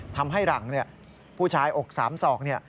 ทำให้หลังเนี่ยผู้ชายอกสามศอกเนี่ย